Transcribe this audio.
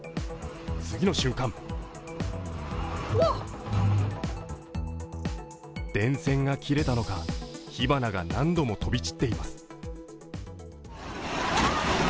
次の瞬間、電線が切れたのか火花が何度も飛び散っています。